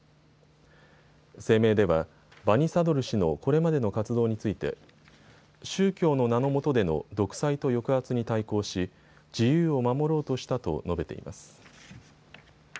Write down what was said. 声明ではバニサドル氏のこれまでの活動について宗教の名のもとでの独裁と抑圧に対抗し自由を守ろうとしたと述べています。